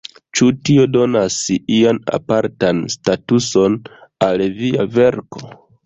Ĉu tio donas ian apartan statuson al via verko?